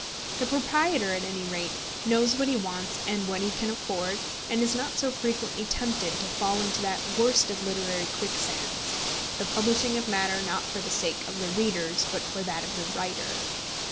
The proprietor, at any rate, knows what he wants and what he can afford, and is not so frequently tempted to fall into that worst of literary quicksands, the publishing of matter not for the sake of the readers, but for that of the writer.